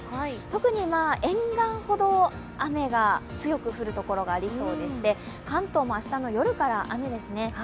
特に沿岸ほど雨が強く降る所がありそうでして、関東も明日の夜から雨ですね。